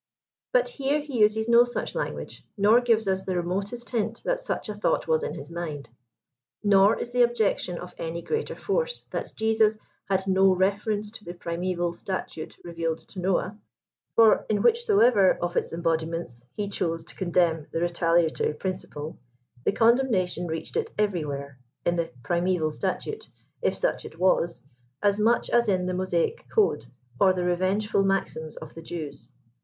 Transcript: But here he uses no 141 such langu^e, nor gives us the remotest hint that such a thought was in his mind. Nor is the objection of any greater force, that Jesus «*had no reference to the primeval statute revealed to Noah;" for in whichsoever of its embodiments he chose to condemn the re taliatory principle, the condemnation reached it everywhere, in *Uhe primeval statute,'* if such it was, as much as in the Mo saic code, or the revengeful maxims of the Jews.